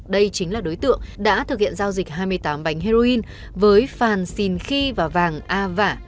đây chính là đối tượng đã thực hiện giao dịch hai mươi tám bánh heroin với phàn xìn khi và vàng a v vả